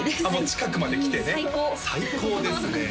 近くまで来てね最高最高ですね